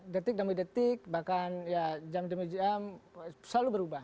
detik demi detik bahkan ya jam demi jam selalu berubah